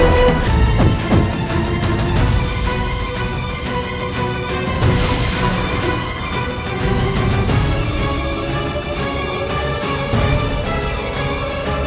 kutub ikut bertahanlah